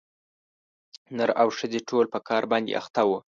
نر او ښځي ټول په کار باندي اخته وه